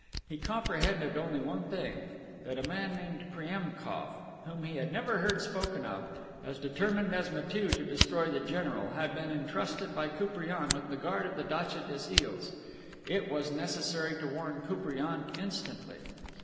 He comprehended only one thing, that a man named Priemkof, whom he had never heard spoken of, as determined as Matiew to destroy the general, had been entrusted by Koupriane with the guard of the datcha des Iles. It was necessary to warn Koupriane instantly.